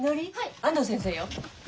安藤先生よ。